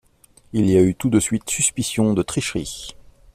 Il y a eu tout de suite suspicion de tricherie.